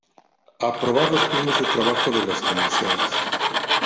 Aprobar los planes de trabajo de las Comisiones.